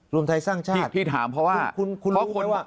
รวมไทยสร้างชาติคุณรู้ไหมว่าที่ถามเพราะว่า